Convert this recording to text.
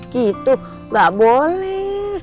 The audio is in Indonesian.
gitu gak boleh